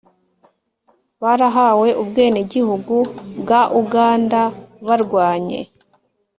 barahawe ubwenegihugu bwa uganda barwanye